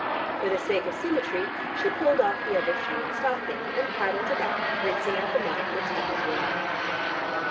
For the sake of symmetry she pulled off the other shoe and stocking, and paddled about, rinsing out the mud in the tepid water.